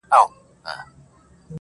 د چا د زړه د چا د سترگو له دېواله وځم~